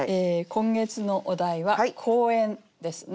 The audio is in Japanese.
今月のお題は「公園」ですね。